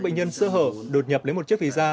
bệnh nhân sơ hở đột nhập lấy một chiếc visa